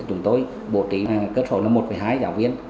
chúng tôi bố trí cơ sở một hai giáo viên